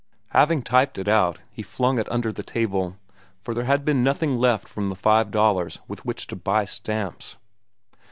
Having typed it out, he flung it under the table, for there had been nothing left from the five dollars with which to buy stamps.